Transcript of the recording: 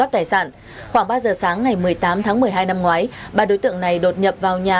tài sản khoảng ba giờ sáng ngày một mươi tám tháng một mươi hai năm ngoái ba đối tượng này đột nhập vào nhà